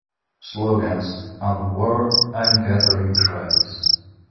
Slogans; and War and Gathering Cries.